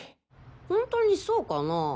ホントにそうかなあ。